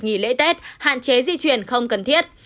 nghỉ lễ tết hạn chế di chuyển không cần thiết